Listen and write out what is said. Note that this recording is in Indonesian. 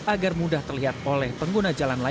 agar mudah terlihat oleh pengguna jalan lain